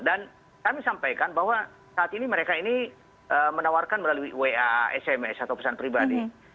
dan kami sampaikan bahwa saat ini mereka ini menawarkan melalui wa sms atau pesan pribadi